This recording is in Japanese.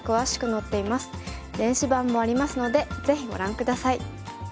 電子版もありますのでぜひご覧下さい。